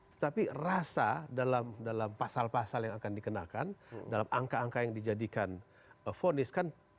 tetapi rasa dalam pasal pasal yang akan dikenakan dalam angka angka yang dijadikan fonis kan